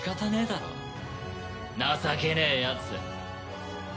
情けねえやつ。